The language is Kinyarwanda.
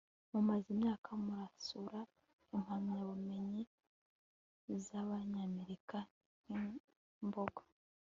mumaze imyaka musarura impamyabumenyi zabanyamerika nkimboga